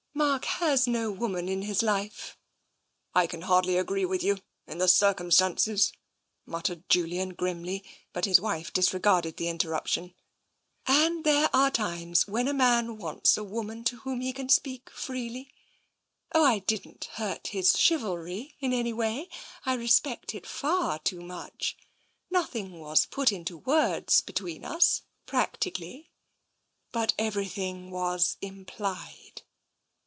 Mark has no woman in his life." " I can hardly agree with you, in the circumstances," muttered Julian grimly, but his wife disregarded the interruption. TENSION 255 " And there are times when a man wants a woman to whom he can speak freely. Oh, I didn't hurt his chivalry in any way — I respect it far too much. Nothing was put into words between us, practically — but everything was implied."